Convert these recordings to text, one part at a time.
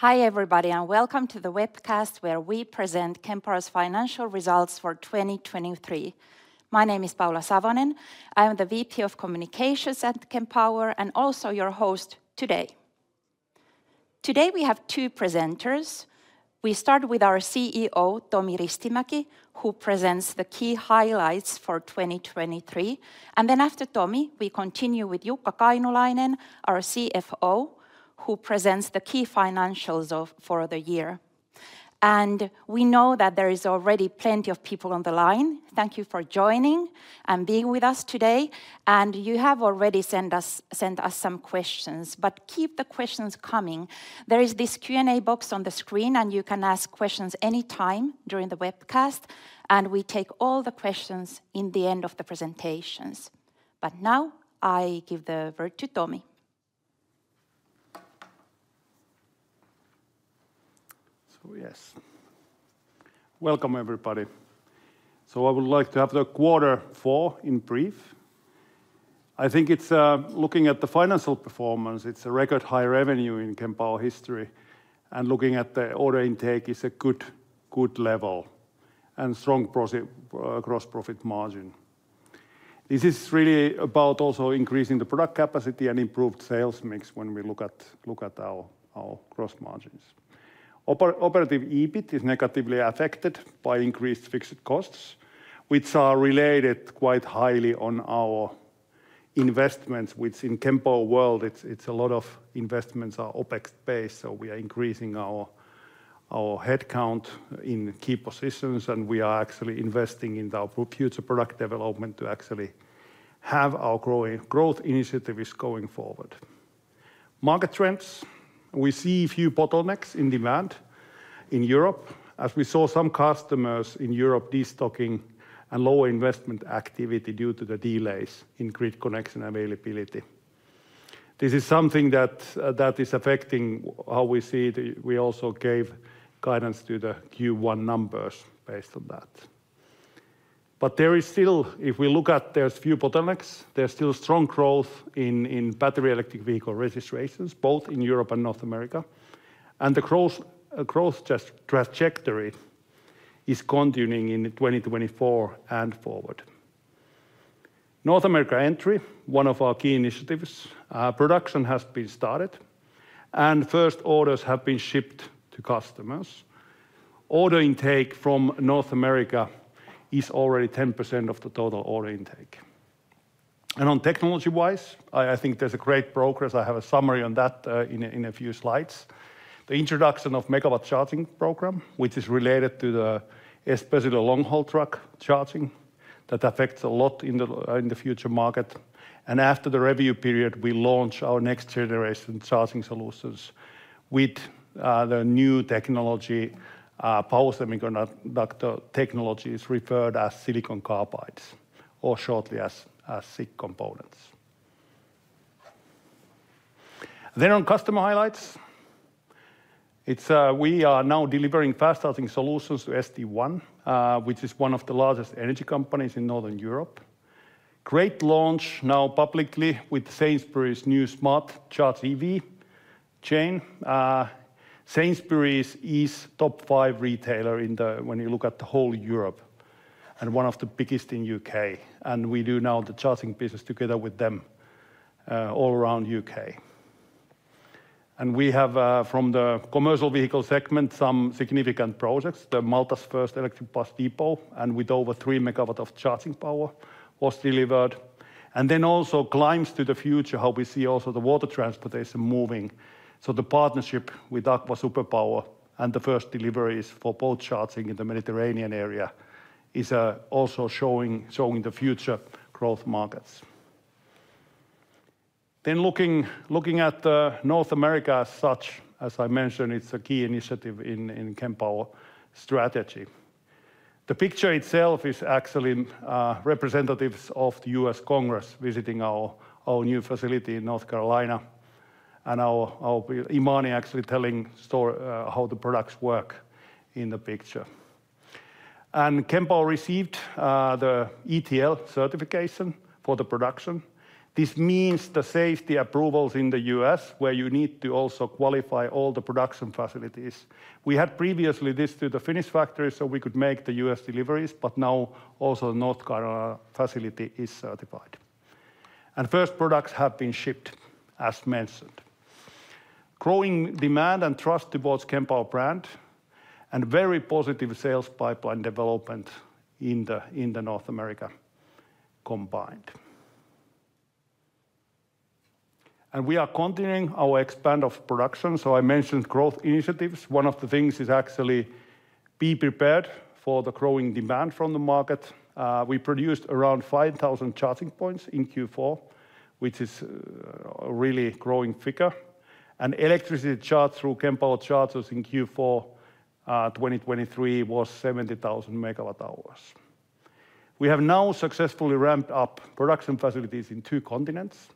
Hi, everybody, and welcome to the webcast where we present Kempower's financial results for 2023. My name is Paula Savonen. I am the VP of Communications at Kempower, and also your host today. Today, we have two presenters. We start with our CEO, Tomi Ristimäki, who presents the key highlights for 2023. After Tomi, we continue with Jukka Kainulainen, our CFO, who presents the key financials for the year. We know that there is already plenty of people on the line. Thank you for joining and being with us today, and you have already send us, sent us some questions, but keep the questions coming. There is this Q&A box on the screen, and you can ask questions any time during the webcast, and we take all the questions in the end of the presentations. Now, I give the word to Tomi. Yes. Welcome, everybody. I would like to have the Q4 in brief. I think it's looking at the financial performance, it's a record high revenue in Kempower history, and looking at the order intake is a good, good level, and strong gross profit margin. This is really about also increasing the product capacity and improved sales mix when we look at, look at our, our gross margins. Operative EBIT is negatively affected by increased fixed costs, which are related quite highly on our investments, which in Kempower world, it's a lot of investments are OpEx-based, so we are increasing our headcount in key positions, and we are actually investing in our future product development to actually have our growth initiatives going forward. Market trends, we see a few bottlenecks in demand in Europe, as we saw some customers in Europe destocking and lower investment activity due to the delays in grid connection availability. This is something that that is affecting how we see the. We also gave guidance to the Q1 numbers based on that. But there is still, if we look at, there's few bottlenecks, there's still strong growth in battery electric vehicle registrations, both in Europe and North America, and the growth trajectory is continuing in 2024 and forward. North America entry, one of our key initiatives, production has been started, and first orders have been shipped to customers. Order intake from North America is already 10% of the total order intake. And on technology-wise think there's a great progress. I have a summary on that, in a few slides. The introduction of Megawatt Charging Program, which is related to the, especially the long-haul truck charging, that affects a lot in the future market. After the review period, we launch our next generation charging solutions with the new technology, power semiconductor technology, is referred as Silicon Carbides or shortly as SiC components. On customer highlights, it's we are now delivering fast charging solutions to St1, which is one of the largest energy companies in Northern Europe. Great launch, now publicly, with Sainsbury's new Smart Charge EV chain. Sainsbury's is top five retailer in the, when you look at the whole Europe, and one of the biggest in U.K., and we do now the charging business together with them, all around U.K. We have from the commercial vehicle segment some significant projects: Malta's first electric bus depot, with over 3 MW of charging power, was delivered. Then also glimpse to the future, how we see also the water transportation moving. The partnership with Aqua Superpower and the first deliveries for boat charging in the Mediterranean area is also showing the future growth markets. Looking at North America as such, as I mentioned, it's a key initiative in Kempower strategy. The picture itself is actually representatives of the U.S. Congress visiting our new facility in North Carolina, and our Imani actually telling story how the products work in the picture. Kempower received the ETL certification for the production. This means the safety approvals in the U.S., where you need to also qualify all the production facilities. We had previously this to the Finnish factory, so we could make the U.S. deliveries, but now also North Carolina facility is certified. First products have been shipped, as mentioned. Growing demand and trust towards Kempower brand, and very positive sales pipeline development in the North America combined. We are continuing our expand of production, so I mentioned growth initiatives. One of the things is actually be prepared for the growing demand from the market. We produced around 5,000 charging points in Q4, which is a really growing figure, and electricity charged through Kempower chargers in Q4, 2023 was 70,000 MWh. We have now successfully ramped up production facilities in two continents,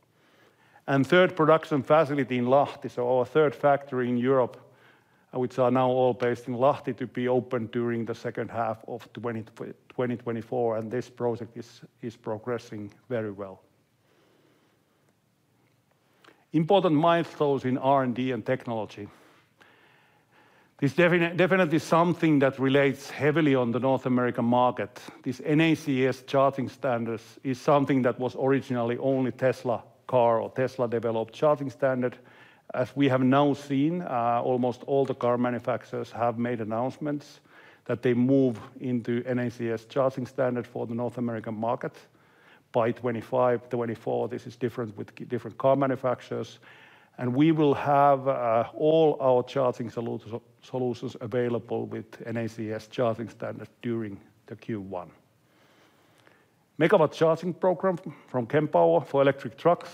and third production facility in Lahti, so our third factory in Europe, which are now all based in Lahti, to be open during the second half of 2024, and this project is progressing very well. Important milestones in R&D and technology. This definitely something that relates heavily on the North American market. This NACS charging standards is something that was originally only Tesla car or Tesla-developed charging standard. As we have now seen, almost all the car manufacturers have made announcements that they move into NACS charging standard for the North American market by 2025, 2024. This is different with different car manufacturers. And we will have all our charging solutions available with NACS charging standard during the Q1. Megawatt Charging Program from Kempower for electric trucks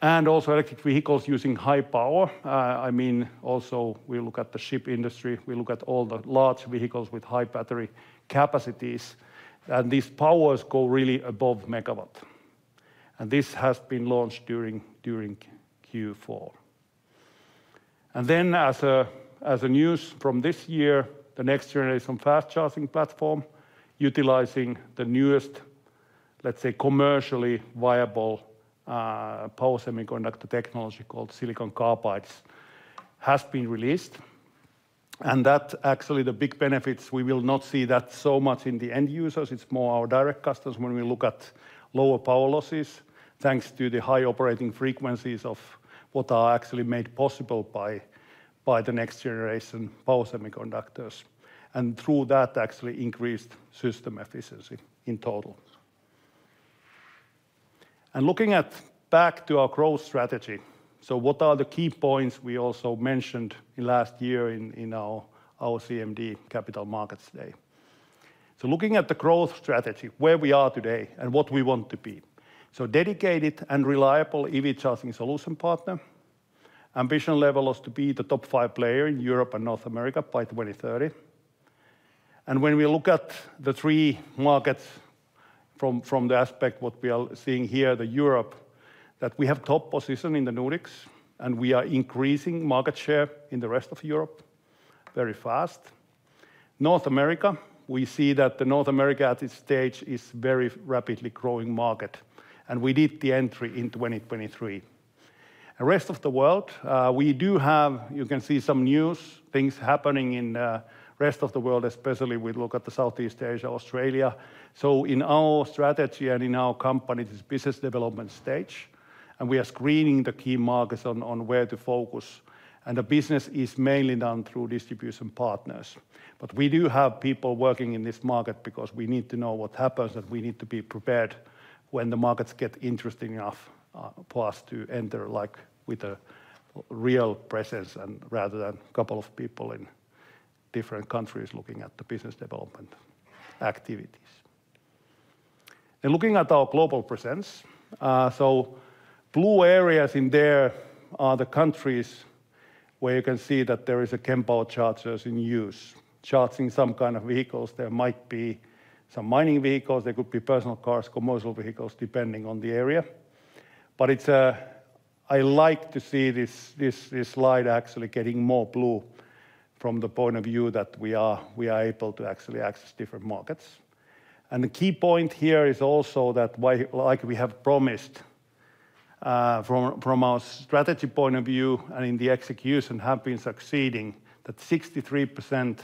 and also electric vehicles using high power. I mean, also we look at the ship industry, we look at all the large vehicles with high battery capacities, and these powers go really above megawatt. And this has been launched during Q4. And then as a news from this year, the next generation fast charging platform, utilizing the newest, let's say, commercially viable, power semiconductor technology called Silicon Carbide, has been released. And that actually the big benefits, we will not see that so much in the end users. It's more our direct customers when we look at lower power losses, thanks to the high operating frequencies of what are actually made possible by the next generation power semiconductors, and through that, actually increased system efficiency in total. Looking back to our growth strategy, what are the key points we also mentioned last year in our CMD Capital Markets Day? Looking at the growth strategy, where we are today and what we want to be. Dedicated and reliable EV charging solution partner. Ambition level is to be the top five player in Europe and North America by 2030. When we look at the three markets from the aspect, what we are seeing here, Europe, that we have top position in the Nordics, and we are increasing market share in the rest of Europe very fast. North America, we see that North America at this stage is very rapidly growing market, and we did the entry in 2023. The rest of the world, we do have... You can see some news, things happening in the rest of the world, especially we look at Southeast Asia, Australia. So in our strategy and in our company, this business development stage, and we are screening the key markets on where to focus, and the business is mainly done through distribution partners. But we do have people working in this market because we need to know what happens, and we need to be prepared when the markets get interesting enough for us to enter, like, with a real presence and rather than couple of people in different countries looking at the business development activities. And looking at our global presence, so blue areas in there are the countries where you can see that there is Kempower chargers in use, charging some kind of vehicles. There might be some mining vehicles, there could be personal cars, commercial vehicles, depending on the area. But it's, I like to see this, this, this slide actually getting more blue from the point of view that we are, we are able to actually access different markets. And the key point here is also that why, like we have promised, from, from our strategy point of view and in the execution, have been succeeding, that 63%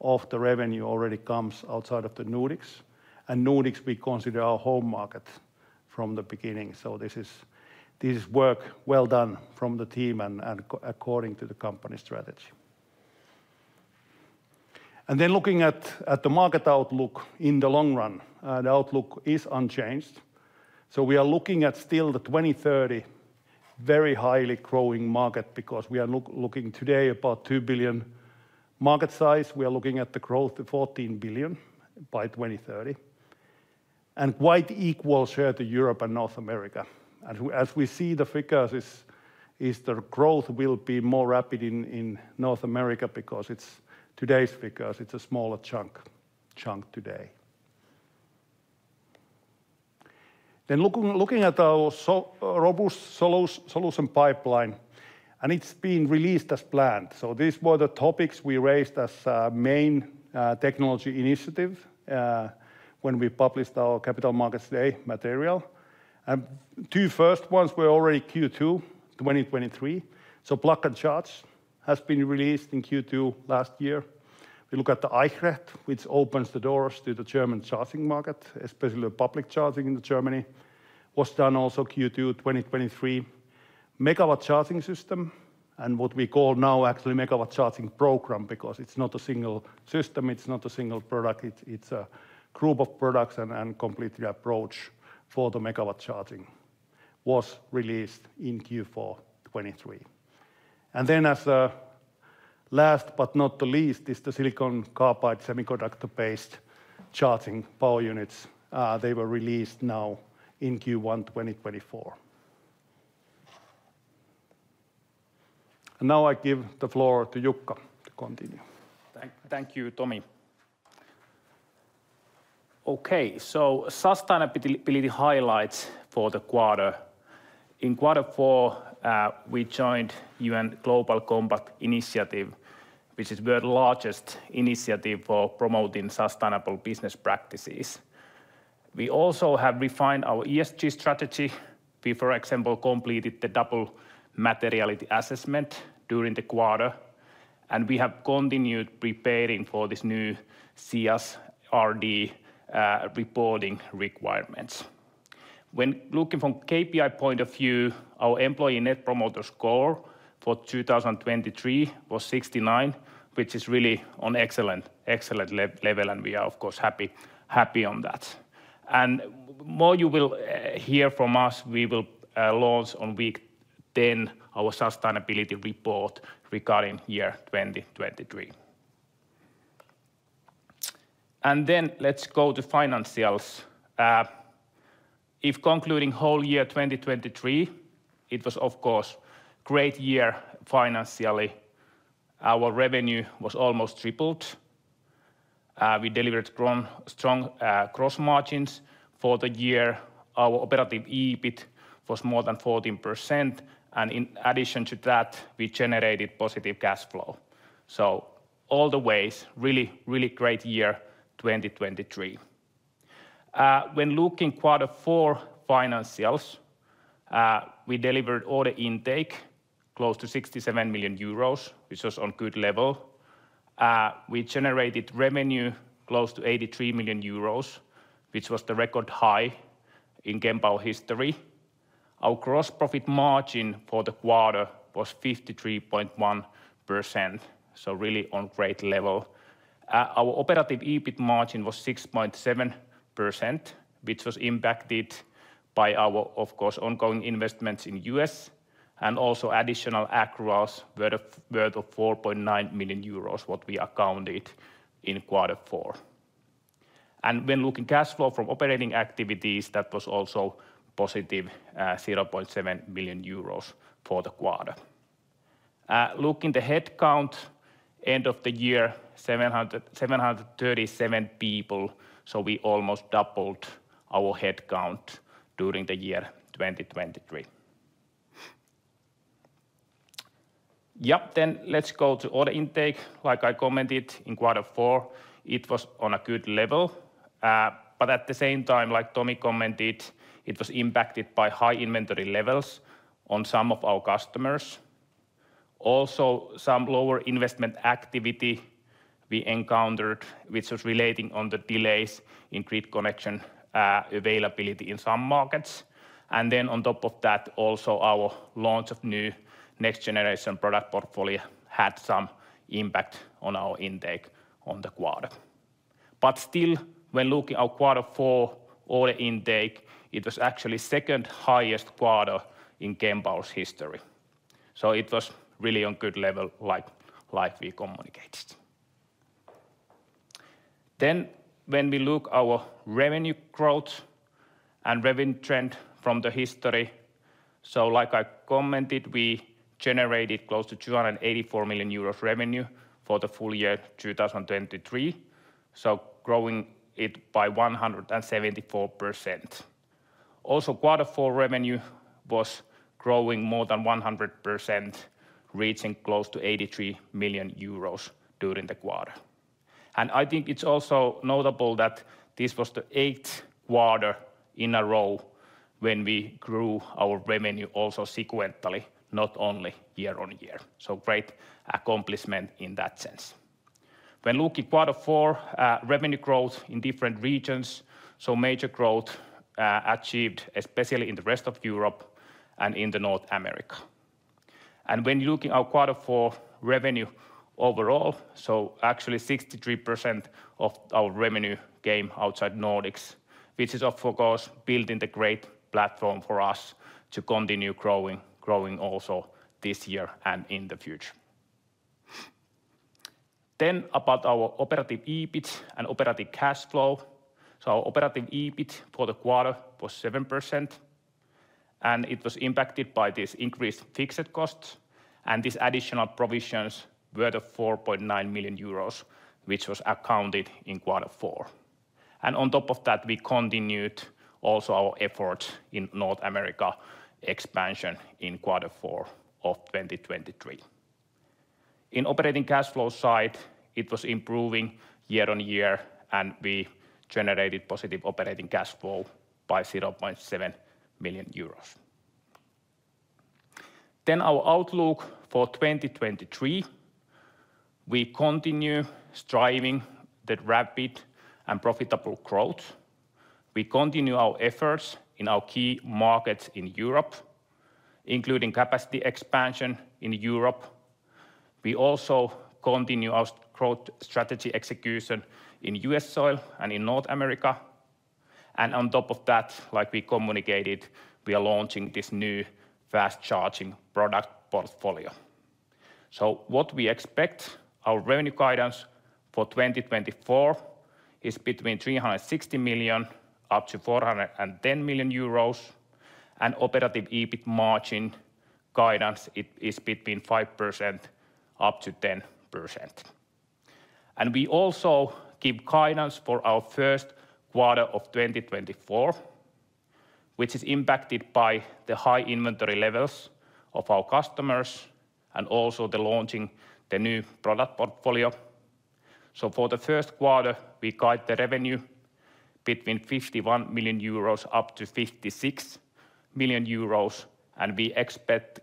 of the revenue already comes outside of the Nordics. And Nordics, we consider our home market from the beginning. So this is, this is work well done from the team and, and according to the company strategy. And then looking at, at the market outlook in the long run, the outlook is unchanged. So we are looking at still the 2030 very highly growing market because we are looking today about 2 billion market size. We are looking at the growth to 14 billion by 2030, and quite equal share to Europe and North America. And as we see the figures, the growth will be more rapid in North America because it's today's figures, it's a smaller chunk today. Then looking at our robust solution pipeline, and it's been released as planned. So these were the topics we raised as main technology initiative when we published our Capital Markets Day material. Two first ones were already Q2 2023, so Plug and Charge has been released in Q2 last year. We look at the Eichrecht, which opens the doors to the German charging market, especially the public charging in Germany, was done also in Q2 2023. Megawatt Charging System, and what we call now actually Megawatt Charging System, because it's not a single system, it's not a single product, it's a group of products and complete approach for the Megawatt Charging, was released in Q4 2023. And then as a last but not the least, is the Silicon Carbide semiconductor-based charging power units. They were released now in Q1 2024. And now I give the floor to Jukka to continue. Thank you, Tomi. Okay, so sustainability highlights for the quarter. In Q4, we joined UN Global Compact initiative, which is world's largest initiative for promoting sustainable business practices. We also have refined our ESG strategy. We, for example, completed the Double Materiality Assessment during the quarter, and we have continued preparing for this new CSRD reporting requirements. When looking from KPI point of view, our employee net promoter score for 2023 was 69, which is really on excellent level, and we are of course happy on that. And more you will hear from us, we will launch on week ten our sustainability report regarding year 2023. And then let's go to financials. In concluding whole year 2023, it was of course great year financially. Our revenue was almost tripled. We delivered strong gross margins for the year. Our operative EBIT was more than 14%, and in addition to that, we generated positive cash flow. So all the ways, really, really great year, 2023. When looking Q4 financials, we delivered order intake close to 67 million euros, which was on good level. We generated revenue close to 83 million euros, which was the record high in Kempower history. Our gross profit margin for the quarter was 53.1%, so really on great level. Our operative EBIT margin was 6.7%, which was impacted by our, of course, ongoing investments in U.S. and also additional accruals worth of, worth of 4.9 million euros, what we accounted in Q4. When looking cash flow from operating activities, that was also positive, 0.7 million euros for the quarter. Looking the headcount, end of the year, 737 people, so we almost doubled our headcount during the year 2023. Yep, then let's go to order intake. Like I commented in Q4, it was on a good level, but at the same time, like Tomi commented, it was impacted by high inventory levels on some of our customers. Also, some lower investment activity we encountered, which was relating on the delays in grid connection, availability in some markets. And then on top of that, also our launch of new next generation product portfolio had some impact on our intake on the quarter. But still, when looking at Q4 order intake, it was actually second highest quarter in Kempower's history. So it was really on good level, like we communicated. Then, when we look our revenue growth and revenue trend from the history, so like I commented, we generated close to 284 million euros revenue for the full year 2023, so growing it by 174%. Also, Q4 revenue was growing more than 100%, reaching close to 83 million euros during the quarter. And I think it's also notable that this was the 8th quarter in a row when we grew our revenue also sequentially, not only year-on-year. So great accomplishment in that sense. When looking Q4 revenue growth in different regions, so major growth achieved, especially in the rest of Europe and in North America. When you look at our Q4 revenue overall, so actually 63% of our revenue came outside Nordics, which is of course, building the great platform for us to continue growing, growing also this year and in the future. About our operative EBIT and operative cash flow. Our operative EBIT for the quarter was 7%, and it was impacted by this increased fixed costs and these additional provisions worth of 4.9 million euros, which was accounted in Q4. On top of that, we continued also our effort in North America expansion in Q4 of 2023. In operating cash flow side, it was improving year-on-year, and we generated positive operating cash flow by 0.7 million euros. Our outlook for 2023, we continue striving the rapid and profitable growth. We continue our efforts in our key markets in Europe, including capacity expansion in Europe. We also continue our growth strategy execution in U.S. soil and in North America. On top of that, like we communicated, we are launching this new fast-charging product portfolio. What we expect, our revenue guidance for 2024 is between 360 million up to 410 million euros, and operative EBIT margin guidance is between 5% up to 10%. We also give guidance for our Q1 of 2024, which is impacted by the high inventory levels of our customers and also the launching the new product portfolio. For the Q1, we guide the revenue between 51 million euros up to 56 million euros, and we expect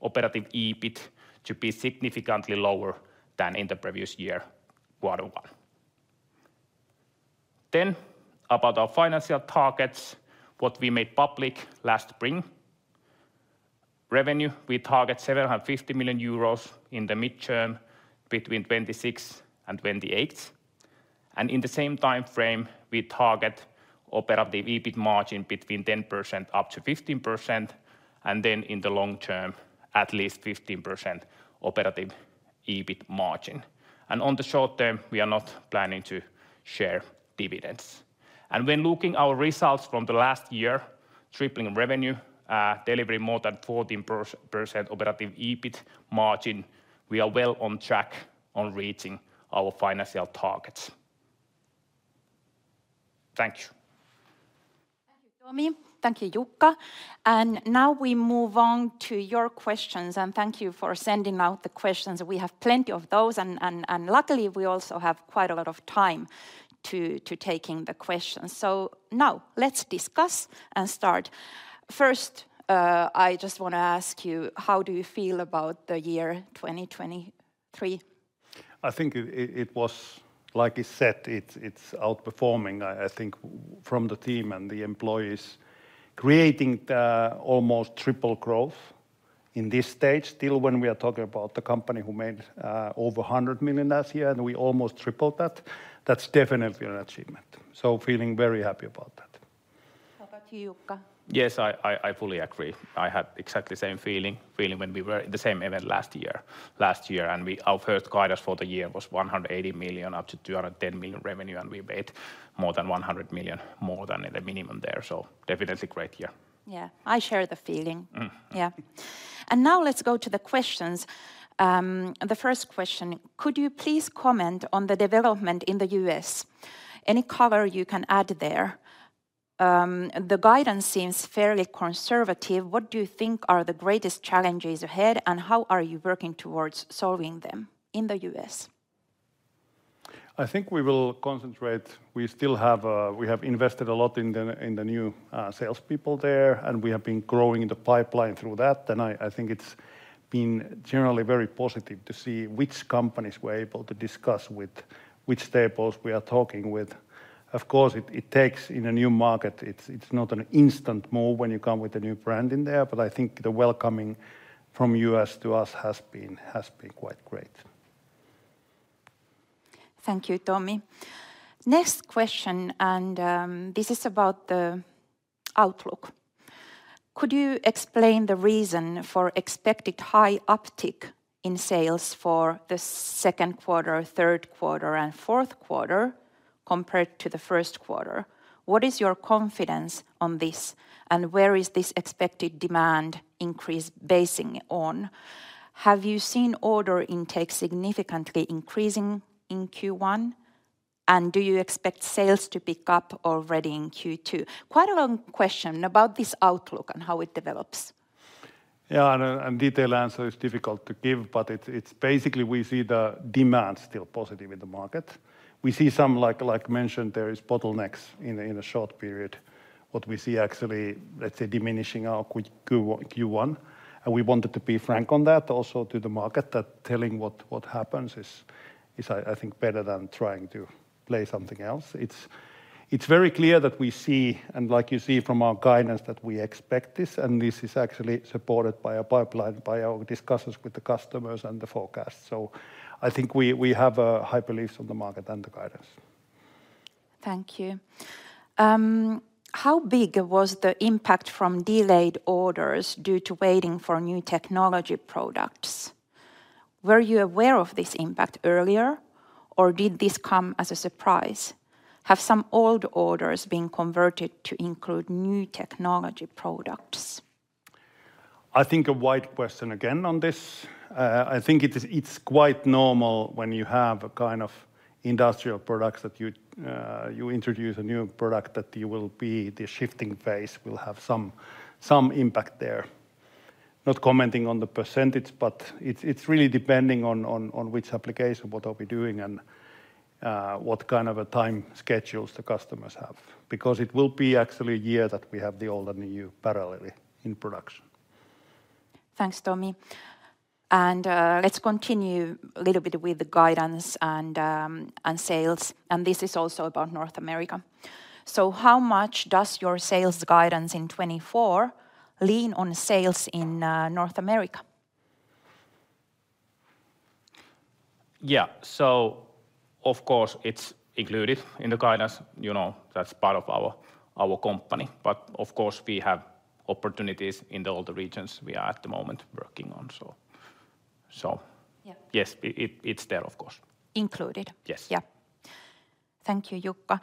operating EBIT to be significantly lower than in the previous year, Q1. Then, about our financial targets, what we made public last spring. Revenue, we target 750 million euros in the midterm between 2026 and 2028. And in the same time frame, we target operative EBIT margin between 10% up to 15%, and then in the long term, at least 15% operative EBIT margin. And on the short term, we are not planning to share dividends. And when looking our results from the last year, tripling revenue, delivering more than 14% operative EBIT margin, we are well on track on reaching our financial targets. Thank you. Thank you, Tomi. Thank you, Jukka. Now we move on to your questions, and thank you for sending out the questions. We have plenty of those, and luckily, we also have quite a lot of time to taking the questions. Now let's discuss and start. First, I just wanna ask you, how do you feel about the year 2023? I think it was, like he said, it's outperforming, I think from the team and the employees. Creating the almost triple growth in this stage, still when we are talking about the company who made over 100 million last year, and we almost tripled that, that's definitely an achievement. So feeling very happy about that. How about you, Jukka? Yes, I fully agree. I have exactly the same feeling when we were in the same event last year, and our first guidance for the year was 180 million up to 210 million revenue, and we made more than 100 million more than in the minimum there, so definitely great year. Yeah, I share the feeling. Yeah. Now let's go to the questions. The first question: Could you please comment on the development in the U.S.? Any color you can add there? The guidance seems fairly conservative. What do you think are the greatest challenges ahead, and how are you working towards solving them in the U.S.? I tHink we will concentrate. We still have invested a lot in the new salespeople there, and we have been growing the pipeline through that. I think it's been generally very positive to see which companies we're able to discuss with, which staples we are talking with. Of course, it takes, in a new market, it's not an instant move when you come with a new brand in there, but I think the welcoming from U.S. to us has been quite great. Thank you, Tomi. Next question, and, this is about the outlook. Could you explain the reason for expected high uptick in sales for the Q2, Q3, and Q4 compared to the Q1? What is your confidence on this, and where is this expected demand increase basing on? Have you seen order intake significantly increasing in Q1, and do you expect sales to pick up already in Q2? Quite a long question about this outlook and how it develops. Yeah, a detailed answer is difficult to give, but it's basically we see the demand still positive in the market. We see some, like mentioned, there is bottlenecks in the short period. What we see actually, let's say, diminishing out with Q1, and we wanted to be frank on that also to the market, that telling what happens is, I think, better than trying to play something else. It's very clear that we see, and like you see from our guidance, that we expect this, and this is actually supported by our pipeline, by our discussions with the customers and the forecast. So I think we have high beliefs on the market and the guidance. Thank you. How big was the impact from delayed orders due to waiting for new technology products? Were you aware of this impact earlier, or did this come as a surprise? Have some old orders been converted to include new technology products? I think a wide question again on this. I think it is, it's quite normal when you have a kind of industrial products that you, you introduce a new product, that you will be. The shifting phase will have some, some impact there. Not commenting on the percentage, but it's, it's really depending on, on, on which application, what are we doing, and, what kind of a time schedules the customers have. Because it will be actually a year that we have the old and new parallelly in production. Thanks, Tomi. And, let's continue a little bit with the guidance and sales, and this is also about North America. So how much does your sales guidance in 2024 lean on sales in North America? Yeah. So of course, it's included in the guidance. You know, that's part of our, our company. But of coUrse, we have opportunities in all the regions we are at the moment working on, so, so yes, it, it's there, of course. Included? Yes. Yeah. Thank you, Jukka.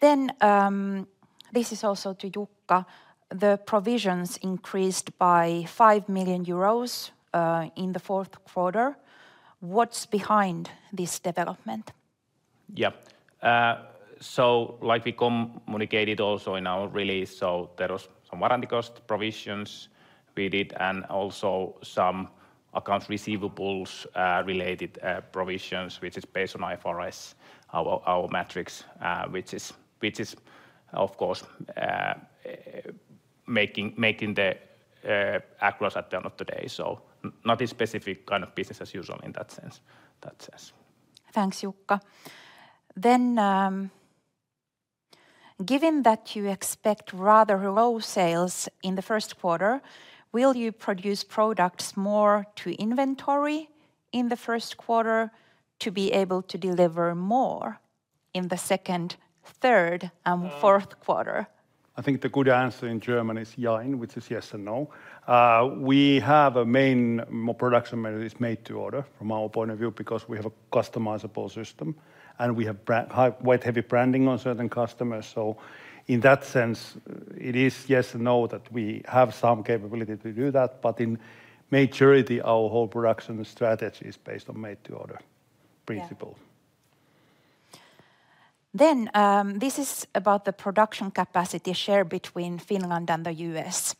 Then, this is also to Jukka. The provisions increased by 5 million euros in the Q4. What's behind this development? Yeah. So like we communicated also in our release, so there was some warranty cost provisions we did, and also some accounts receivables related provisions, which is based on IFRS, our metrics, which is, of course, making the across at the end of the day. So not a specific kind of business as usual in that sense. That sense. Thanks, Jukka. Then, given that you expect rather low sales in the Q1, will you produce products more to inventory in the Q1 to be able to deliver more in the second, third, and fourth quarter? I think the good answer in German is yeah, which is yes and no. We have our main production model is made to order from our point of view, because we have a customizable system, and we have high, quite heavy branding on certain customers. So in that sense, it is yes and no, that we have some capability to do that, but in majority, our whole production strategy is based on made to order principle. Yeah. Then, this is about the production capacity share between Finland and the U.S.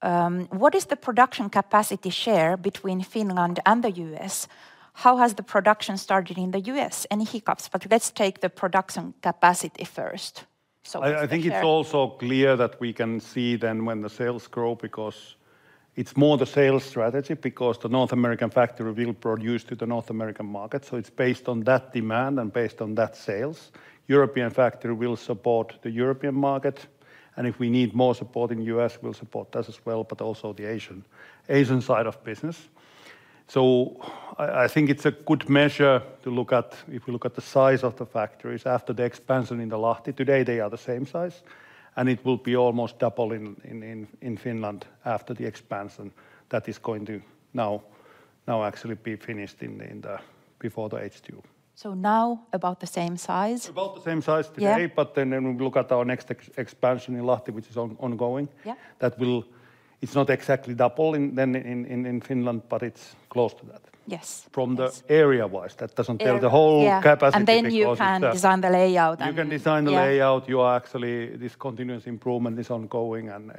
What is the production capacity share between Finland and the U.S.? How has the production started in the U.S.? Any hiccups? But let's take the production capacity first. So- I think it's also clear that we can see then when the sales grow, because it's more the sales strategy, because the North American factory will produce to the North American market. So it's based on that demand and based on that sales. European factory will support the European market, and if we need more support in U.S., we'll support that as well, but also the Asian side of business. So I think it's a good measure to look at. If we look at the size of the factories after the expansion in Lahti, today they are the same size, and it will be almost double in Finland after the expansion that is going to now actually be finished in the before the H2. Now, about the same size? About the same size today but then when we look at our next expansion in Lahti, which is ongoing that will, it's not exactly double, then in Finland, but it's close to that. Yes. From the area-wise, that doesn't tell the whole capacity because the- And then you can design the layout and- You can design the layout. Yeah. You are actually. This continuous improvement is ongoing, and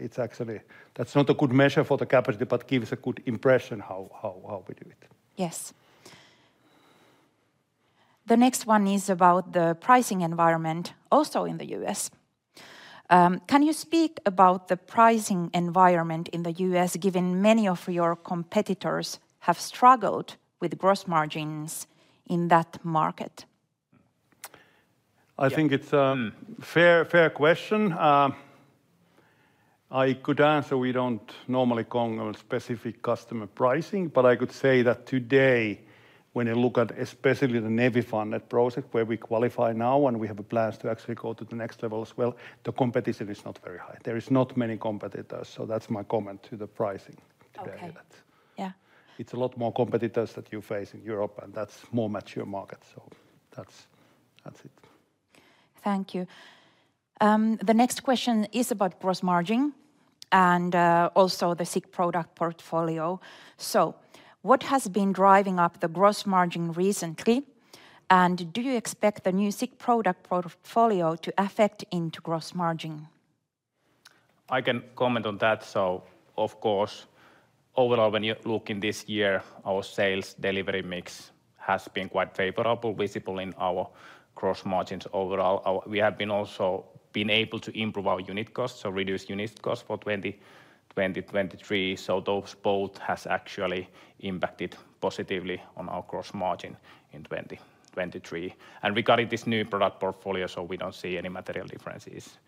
it's actually that's not a good measure for the capacity, but gives a good impression how we do it. Yes. The next one is about the pricing environment also in the U.S. Can you speak about the pricing environment in the U.S., given many of your competitors have struggled with gross margins in that market? I think it's a fair, fair question. I could answer, we don't normally comment on specific customer pricing, but I could say that today, when you look at especially the NEVI funded project, where we qualify now, and we have plans to actually go to the next level as well, the competition is not very high. There is not many competitors, so that's my comment to the pricing there. Okay. Yeah. It's a lot more competitors that you face in Europe, and that's more mature market, so that's, that's it. Thank you. The next question is about gross margin and, also the SiC product portfolio. So what has been driving up the gross margin recently, and do you expect the new SiC product portfolio to affect into gross margin? I can comment on that. So of course, overall, when you're looking this year, our sales delivery mix has been quite favorable, visible in our gross margins. Overall, our. We have also been able to improve our unit costs, so reduce unit costs for 2023. So those both has actually impacted positively on our gross margin in 2023. And regarding this new product portfolio, so we don't see any material differences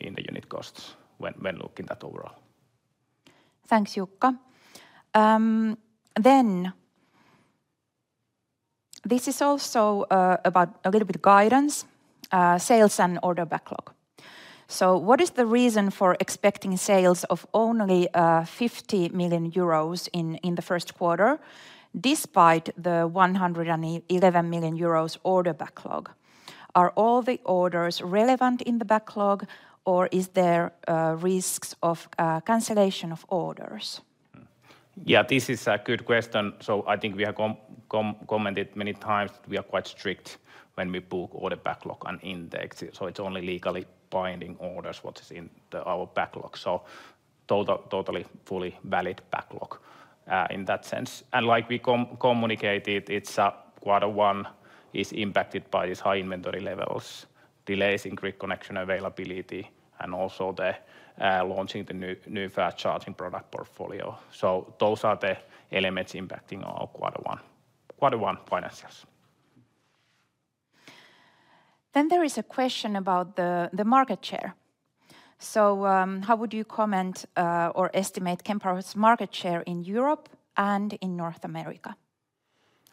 in the unit costs when looking that overall. Thanks, Jukka. Then this is also about a little bit guidance, sales and order backlog. So what is the reason for expecting sales of only 50 million euros in the Q1, despite the 111 million euros order backlog? Are all the orders relevant in the backlog, or is there risks of cancellation of orders? Yeah, this is a good question. So I think we have commented many times, we are quite strict when we book order backlog on index. So it's only legally binding orders, what is in our backlog. So totally, fully valid backlog, in that sense. And like we communicated, it's, Q1 impacted by these high inventory levels, delays in grid connection availability, and also the, launching the new fast charging product portfolio. So those are the elements impacting our Q1, Q1 financials. Then there is a question about the market share. So, how would you comment or estimate Kempower's market share in Europe and in North America?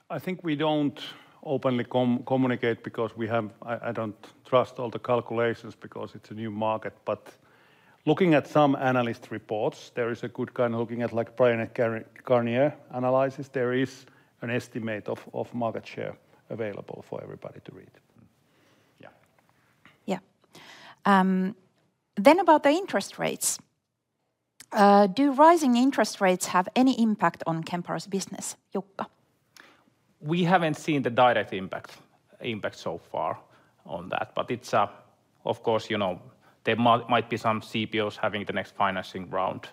I think we don't openly communicate because we have... I don't trust all the calculations, because it's a new market. But looking at some analyst reports, there is a good kind of looking at, like, Bryan Garnier analysis, there is an estimate of market share available for everybody to read. Yeah. Yeah. Then about the interest rates, do rising interest rates have any impact on Kempower's business, Jukka? We haven't seen the direct impact so far on that. But it's, of course, you know, there might be some CBOs having the next financing round,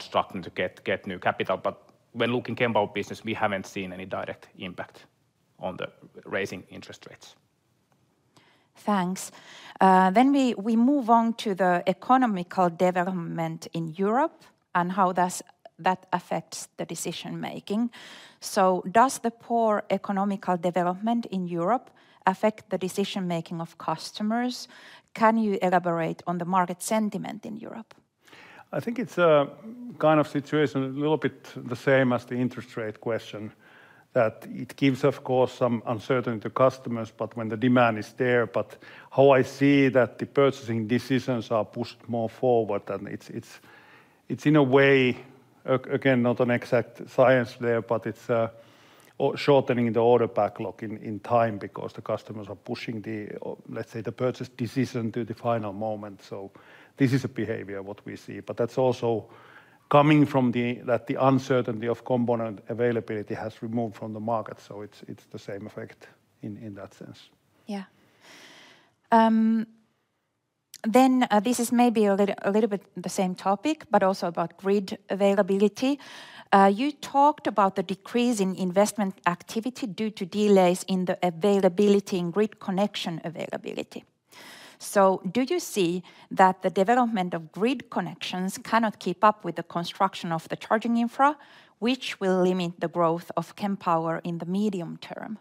struggling to get new capital. But when looking Kempower business, we haven't seen any direct impact on the raising interest rates. Thanks. Then we move on to the economic development in Europe, and how does that affect the decision-making? So does the poor economic development in Europe affect the decision-making of customers? Can you elaborate on the market sentiment in Europe? I think it's a kind of situation a little bit the same as the interest rate question, that it gives, of course, some uncertainty to customers, but when the demand is there. But how I see that the purchasing decisions are pushed more forward, and it's, it's, it's in a way, again, not an exact science there, but it's of shortening the order backlog in, in time because the customers are pushing the, or let's say, the purchase decision to the final moment. So this is a behavior what we see, but that's also coming from the, that the uncertainty of component availability has removed from the market. So it's, it's the same effect in, in that sense. Yeah. Then, this is maybe a little bit the same topic, but also about grid availability. You talked about the decrease in investment activity due to delays in the availability and grid connection availability. So do you see that the development of grid connections cannot keep up with the construction of the charging infra, which will limit the growth of Kempower in the medium term?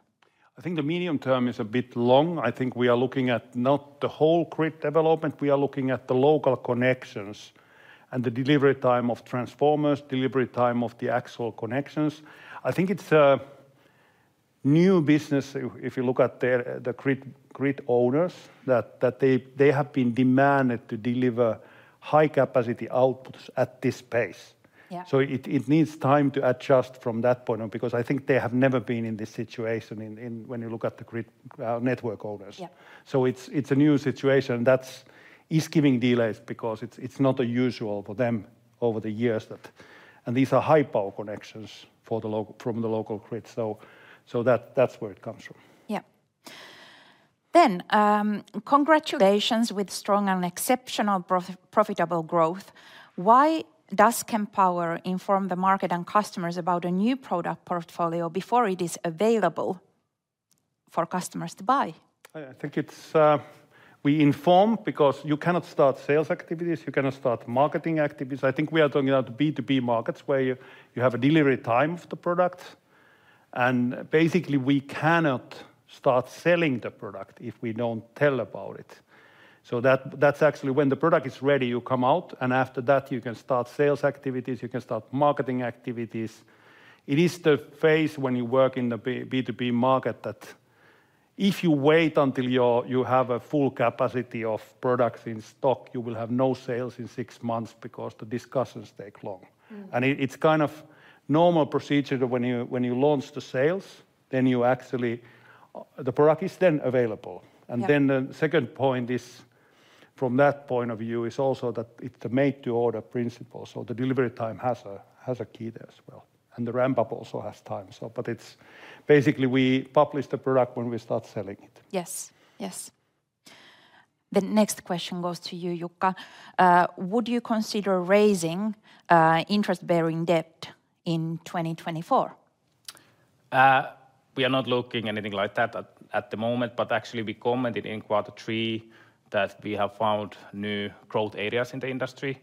I think the medium term is a bit long. I think we are looking at not the whole grid development, we are looking at the local connections and the delivery time of transformers, delivery time of the actual connections. I think it's a new business, if you look at the grid owners, that they have been demanded to deliver high-capacity outputs at this pace. So it needs time to adjust from that point on, because I think they have never been in this situation in... when you look at the grid, network owners. So it's a new situation that's giving delays because it's not unusual for them over the years that. And these are high-power connections from the local grid. So that's where it comes from. Yeah. Then, congratulations with strong and exceptional profitable growth. Why does Kempower inform the market and customers about a new product portfolio before it is available for customers to buy? I think it's. We inform because you cannot start sales activities, you cannot start marketing activities. I think we are talking about B2B markets, where you have a delivery time for the product, and basically, we cannot start selling the product if we don't tell about it. So that's actually when the product is ready, you come out, and after that, you can start sales activities, you can start marketing activities. It is the phase when you work in the B2B market, that if you wait until you have a full capacity of products in stock, you will have no sales in six months because the discussions take long. It's kind of normal procedure that when you launch the sales, then you actually. The product is then available. Then the second point is, from that point of view, also that it's the made-to-order principle, so the delivery time has a key there as well, and the ramp-up also has time. But it's... Basically, we publish the product when we start selling it. Yes. Yes. The next question goes to you, Jukka. Would you consider raising interest-bearing debt in 2024? We are not looking anything like that at the moment, but actually we commented in Q3 that we have found new growth areas in the industry,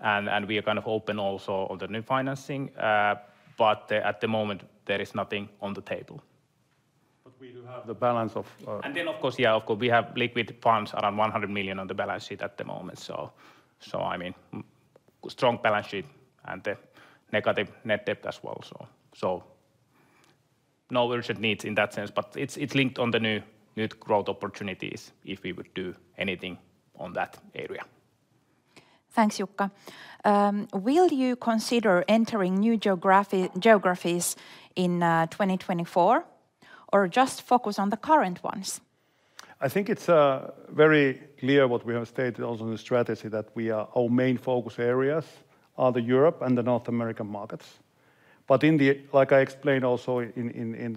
and we are kind of open also on the new financing. But at the moment, there is nothing on the table. But we do have the balance of- Then, of course, yeah, of course, we have liquid funds around 100 million on the balance sheet at the moment. So, I mean, strong balance sheet and the negative net debt as well, so no urgent needs in that sense. But it's linked on the new growth opportunities if we would do anything on that area. Thanks, Jukka. Will you consider entering new geographies in 2024, or just focus on the current ones? I think it's very clear what we have stated also in the strategy, that we are. Our main focus areas are the Europe and the North American markets. But, like I explained also in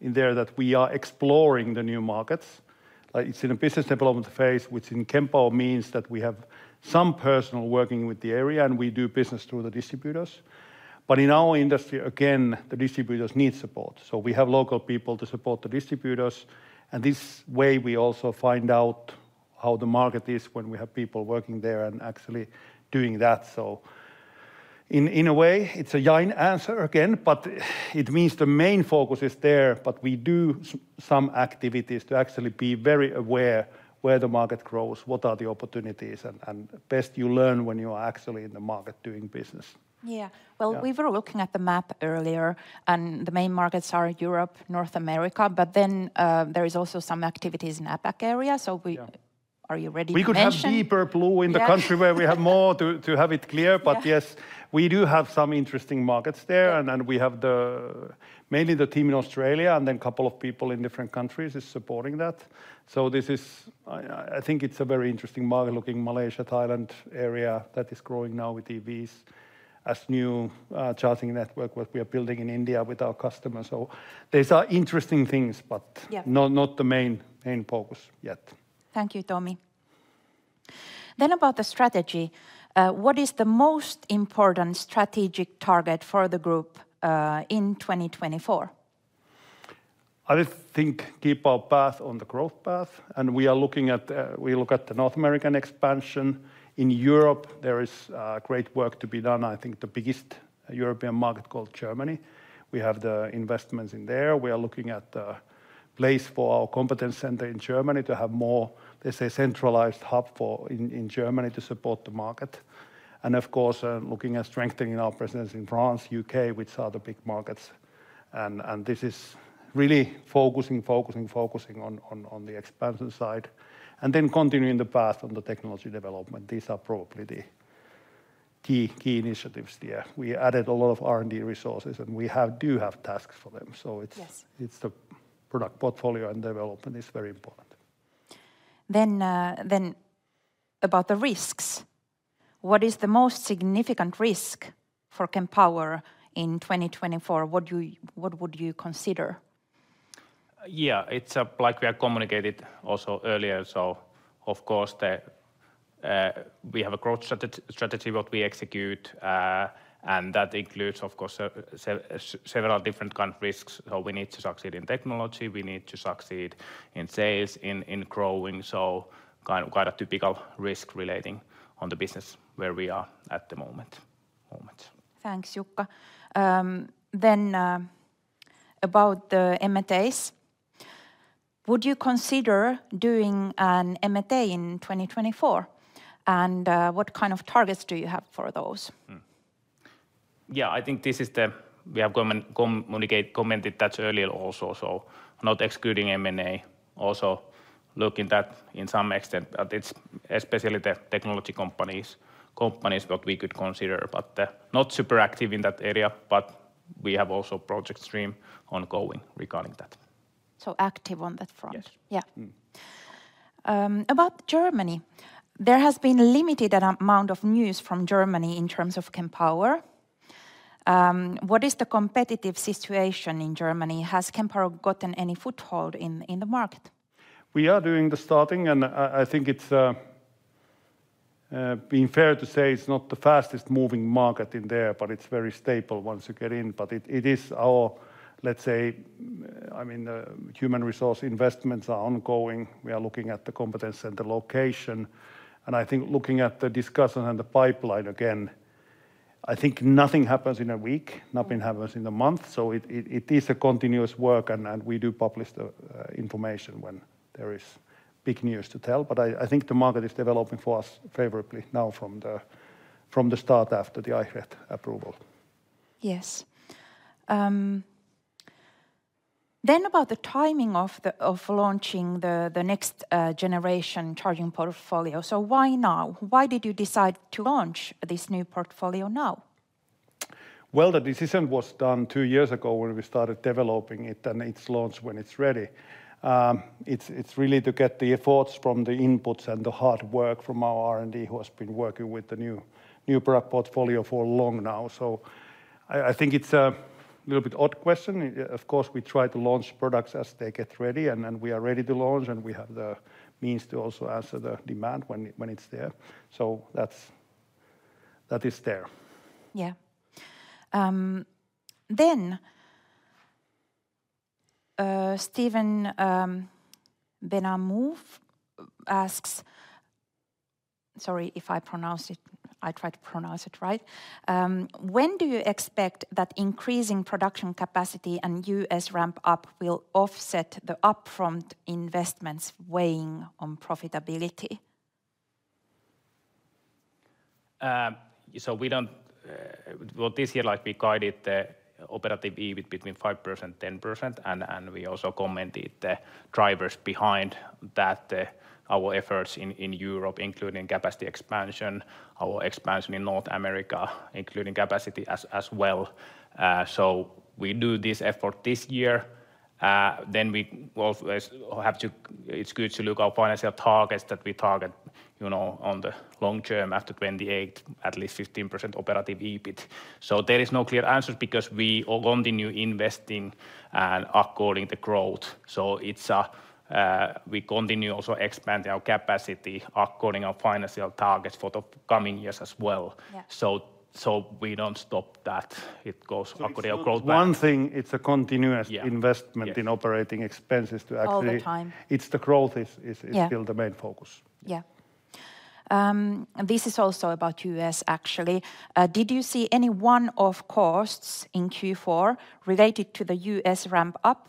there, that we are exploring the new markets. Like, it's in a business development phase, which in Kempower means that we have some personnel working with the area, and we do business through the distributors. But in our industry, again, the distributors need support, so we have local people to support the distributors, and this way, we also find out how the market is when we have people working there and actually doing that. So in a way, it's a yeah and answer again, but it means the main focus is there, but we do some activities to actually be very aware where the market grows, what are the opportunities, and best you learn when you are actually in the market doing business. Yeah. Well, we were looking at the map earlier, and the main markets are Europe, North America, but then, there is also some activities in APAC area. So we- We could have deeper blue in the country where we have more to have it clear. Yeah. But yes, we do have some interesting markets there. Yeah. And then we have mainly the team in Australia, and then a couple of people in different countries is supporting that. So this is, I think it's a very interesting market, looking at the Malaysia, Thailand area that is growing now with EVs. As a new charging network what we are building in India with our customers, so these are interesting things, but not the main focus yet. Thank you, Tomi. Then about the strategy, what is the most important strategic target for the group, in 2024? I just think keep our path on the growth path, and we are looking at, we look at the North American expansion. In Europe, there is great work to be done. I think the biggest European market called Germany. We have the investments in there. We are looking at the place for our competence center in Germany to have more, let's say, centralized hub for in Germany to support the market, and of course, looking at strengthening our presence in France, U.K., which are the big markets. And this is really focusing, focusing, focusing on, on the expansion side, and then continuing the path on the technology development. These are probably the key, key initiatives there. We added a lot of R&D resources, and we have do have tasks for them, so it's... it's the product portfolio and development is very important. Then, about the risks, what is the most significant risk for Kempower in 2024? What would you consider? Yeah, it's like we have communicated also earlier, so of course, we have a growth strategy what we execute, and that includes, of course, several different kind of risks. So we need to succeed in technology, we need to succeed in sales, in growing, so kind of quite a typical risk relating on the business where we are at the moment. Thanks, Jukka. Then, about the M&As, would you consider doing an M&A in 2024? And, what kind of targets do you have for those? Yeah, I think we have commented that earlier also, so not excluding M&A. Also, looking that in some extent, that it's especially the technology companies, companies what we could consider, but not super active in that area, but we have also project stream ongoing regarding that. So active on that front? Yes. Yeah. About Germany, there has been limited amount of news from Germany in terms of Kempower. What is the competitive situation in Germany? Has Kempower gotten any foothold in the market? We are doing the starting, and I think it's fair to say it's not the fastest moving market in there, but it's very stable once you get in. But it is our, let's say, I mean, the human resource investments are ongoing. We are looking at the competence and the location, and I think looking at the discussion and the pipeline again, I think nothing happens in a week, nothing happens in a month, so it is a continuous work, and we do publish the information when there is big news to tell. But I think the market is developing for us favorably now from the start after the ETL approval. Yes. Then about the timing of launching the Next Generation Charging portfolio, so why now? Why did you decide to launch this new portfolio now? Well, the decision was done two years ago when we started developing it, and it's launched when it's ready. It's really to get the efforts from the inputs and the hard work from our R&D, who has been working with the new product portfolio for long now. So I think it's a little bit odd question. Of course, we try to launch products as they get ready, and then we are ready to launch, and we have the means to also answer the demand when it's there. So that's... that is there. Yeah. Then, Steven Benamouf asks... Sorry if I pronounce it. I try to pronounce it right. When do you expect that increasing production capacity and U.S. ramp up will offset the upfront investments weighing on profitability? So we don't. Well, this year, like, we guided the operative EBIT between 5% and 10%, and we also commented the drivers behind that, our efforts in Europe, including capacity expansion, our expansion in North America, including capacity as well. So we do this effort this year, then we also have to—it's good to look our financial targets that we target, you know, on the long term, after 2028, at least 15% operative EBIT. So there is no clear answer because we continue investing and according the growth, so it's, we continue also expanding our capacity, according our financial targets for the coming years as well. So we don't stop that. It goes according our growth- One thing, it's a continuous investment in operating expenses to actually- All the time. It's the growth is, is still the main focus. Yeah. This is also about U.S., actually. Did you see any one-off costs in Q4 related to the U.S. ramp up,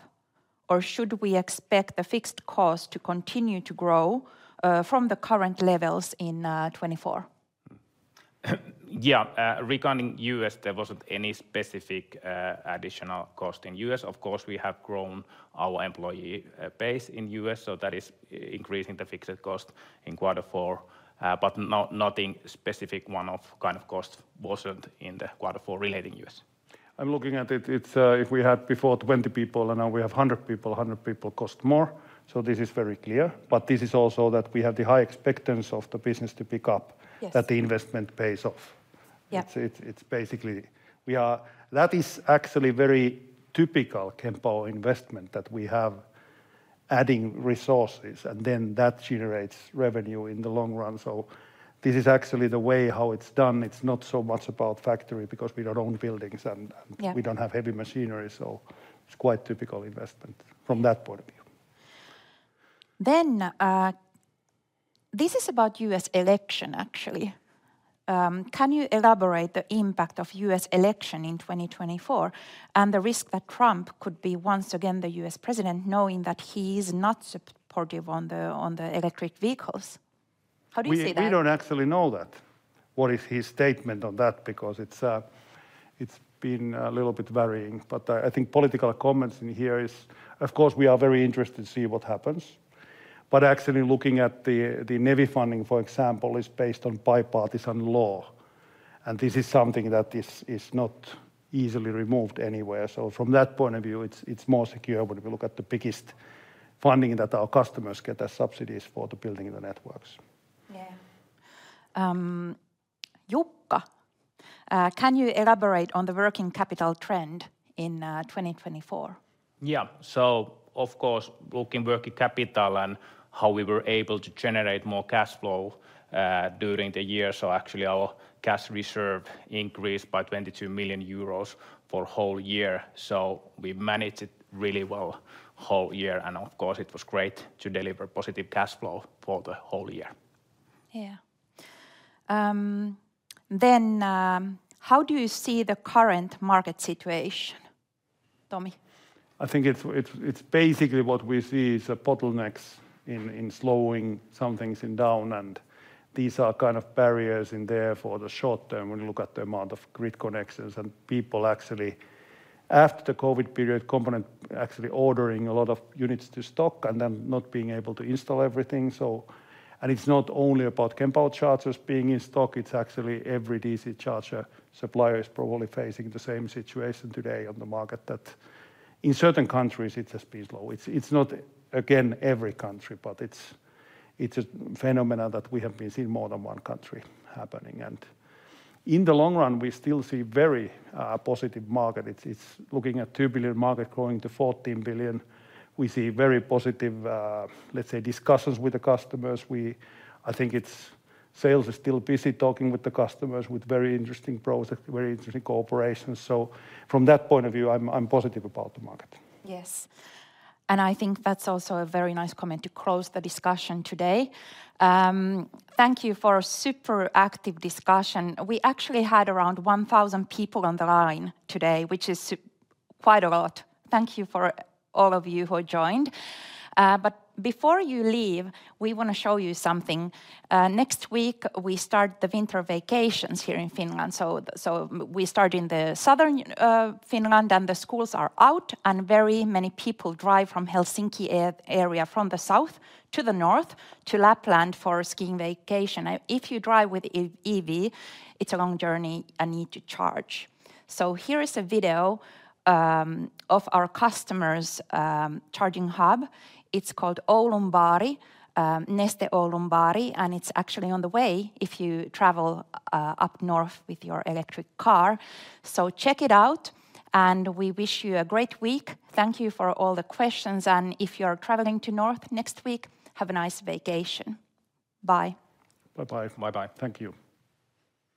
or should we expect the fixed cost to continue to grow from the current levels in 2024? Yeah, regarding U.S., there wasn't any specific additional cost in U.S. Of course, we have grown our employee base in U.S., so that is increasing the fixed cost in Q4, but nothing specific one-off kind of cost wasn't in the Q4 relating U.S. I'm looking at it, it's, if we had before 20 people, and now we have 100 people, 100 people cost more, so this is very clear. But this is also that we have the high expectance of the business to pick uP that the investment pays off. It's basically we are. That is actually very typical Kempower investment, that we have adding resources, and then that generates revenue in the long run. So this is actually the way how it's done. It's not so much about factory, because we don't own buildings, and, and we don't have heavy machinery, so it's quite typical investment from that point of view. This is about U.S. election, actually. Can you elaborate the impact of U.S. election in 2024, and the risk that Trump could be once again the U.S. president, knowing that he is not supportive on the electric vehicles? How do you see that? We, we don't actually know that, what is his statement on that, because it's, it's been a little bit varying. But, I think political comments in here is, of course, we are very interested to see what happens. But actually looking at the, the NEVI funding, for example, is based on bipartisan law, and this is something that is, is not easily removed anywhere. So from that point of view, it's, it's more secure when we look at the biggest funding that our customers get as subsidies for the building of the networks. Yeah. Jukka, can you elaborate on the working capital trend in 2024? Yeah. So of course, looking working capital and how we were able to generate more cash flow during the year, so actually our cash reserve increased by 22 million euros for whole year. So we managed it really well whole year, and of course it was great to deliver positive cash flow for the whole year. Yeah. Then, how do you see the current market situation, Tomi? I think it's basically what we see is the bottlenecks in slowing some things down, and these are kind of barriers in there for the short term when you look at the amount of grid connections. People actually, after the COVID period, components actually ordering a lot of units to stock and then not being able to install everything, so. It's not only about Kempower chargers being in stock, it's actually every DC charger. Supplier is probably facing the same situation today on the market, that in certain countries it's a slowdown. It's not, again, every country, but it's a phenomenon that we have been seeing more than one country happening. In the long run, we still see very positive market. It's looking at a 2 billion market growing to 14 billion. We see very positive, let's say, discussions with the customers. I think it's sales are still busy talking with the customers, with very interesting projects, very interesting cooperation. So from that point of view, I'm positive about the market. Yes, and I think that's also a very nice comment to close the discussion today. Thank you for a super active discussion. We actually had around 1,000 people on the line today, which is quite a lot. Thank you for all of you who joined. But before you leave, we wanna show you something. Next week, we start the winter vacations here in Finland, so we start in the southern Finland, and the schools are out, and very many people drive from Helsinki area, from the south to the north, to Lapland for skiing vacation. If you drive with EV, it's a long journey and need to charge. So here is a video of our customer's charging hub. It's called Oulun Baari, Neste Oulun Baari, and it's actually on the way if you travel up north with your electric car. So check it out, and we wish you a great week. Thank you for all the questions, and if you're traveling to north next week, have a nice vacation. Bye. Bye-bye. Bye-bye. Thank you.